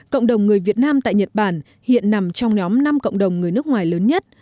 cộng đồng người việt nam tại nhật bản hiện nằm trong nhóm năm cộng đồng người nước ngoài lớn nhất